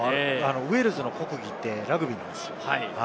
ウェールズの国技ってラグビーなんですよ。